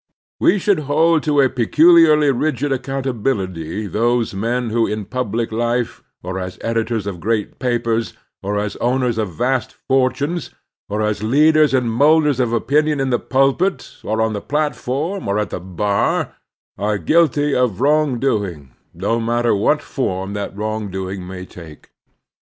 We should hold to a peculiarly rigid accountability those men who in public life, or as editors of great papers, or as owners of vast fortunes, or as leaders and molders of opinion in the pulpit, or on the platform, or at the bar, are guilty of wrong doing, no matter what form that wrong doing may take.